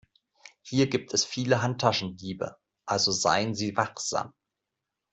Hier gibt es viele Handtaschendiebe, also seien Sie wachsam.